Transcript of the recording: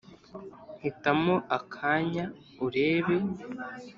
hitamo akanya urebe,